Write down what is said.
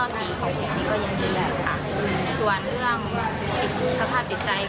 ส่วนเรื่องสภาพใจใจ